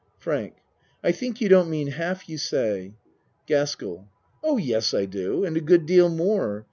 FRANK I think you don't mean half you say. GASKELL Oh, yes, I do. And a good deal more.